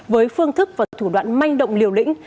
với phương thức và thủ đoạn manh động liều lĩnh